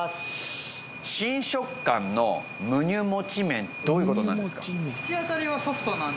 新食感のむにゅもち麺どういうことなんですか？